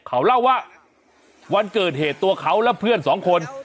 เขาเล่าว่าวันเกิดเหตุตัวเขาและเพื่อนสองคน